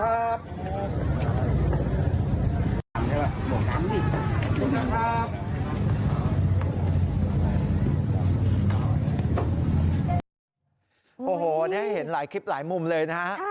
โอ้โหนี่เห็นหลายคลิปหลายมุมเลยนะฮะ